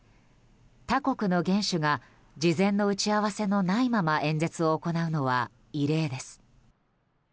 他国の元首が事前の打ち合わせのないまま演説を行うのは異例です。